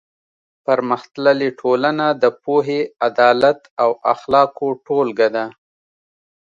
پرمختللې ټولنه د پوهې، عدالت او اخلاقو ټولګه ده.